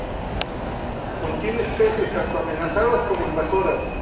Contiene especies tanto amenazadas como invasoras.